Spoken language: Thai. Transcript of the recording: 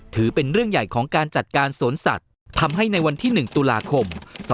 ถือเป็นเรื่องใหญ่ของการจัดการสวนสัตว์ทำให้ในวันที่๑ตุลาคม๒๕๖